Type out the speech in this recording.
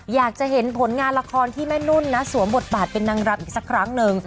อยากจะเห็นผลงานละครที่แม่นุ่นนะสวมบทบาทเป็นนางรำอีกสักครั้งหนึ่ง